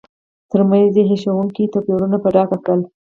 ترمنځ یې هیښوونکي توپیرونه په ډاګه کړل.